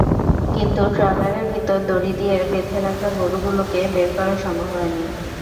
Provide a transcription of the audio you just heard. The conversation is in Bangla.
কিন্তু ট্রলারের ভেতর দড়ি দিয়ে বেঁধে রাখা গরুগুলোকে বের করা সম্ভব হয়নি।